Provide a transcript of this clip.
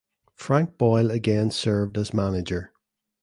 Frank Boyle again served as manager.